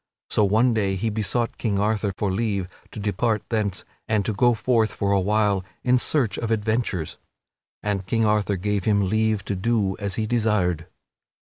So one day he besought King Arthur for leave to depart thence and to go forth for a while in search of adventures; and King Arthur gave him leave to do as he desired.